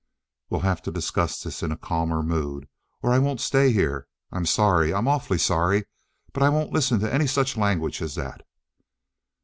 We'll have to discuss this in a calmer mood, or I won't stay here. I'm sorry. I'm awfully sorry. But I won't listen to any such language as that."